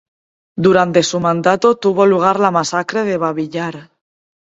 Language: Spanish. Durante su mandato tuvo lugar la masacre de Babi Yar.